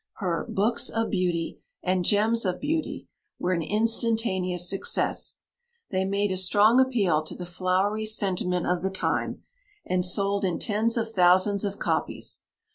Her "Books of Beauty" and "Gems of Beauty" were an instantaneous success they made a strong appeal to the flowery sentiment of the time, and sold in tens of thousands of copies.